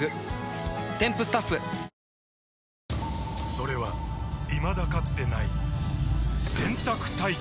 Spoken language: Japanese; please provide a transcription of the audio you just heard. それはいまだかつてない洗濯体験‼